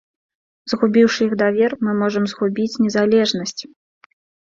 Згубіўшы іх давер, мы можам згубіць незалежнасць.